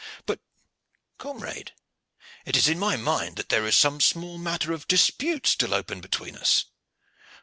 But, comrade, it is in my mind that there is some small matter of dispute still open between us."